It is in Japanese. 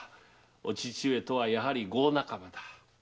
お父上とはやはり碁仲間だ。